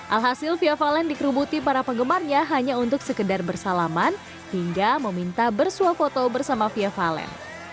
alhasil vivaland dikerubuti para penggemarnya hanya untuk sekedar bersalaman hingga meminta bersuap foto bersama vivaland